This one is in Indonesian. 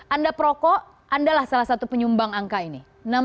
anda perokok anda lah salah satu penyumbang angka ini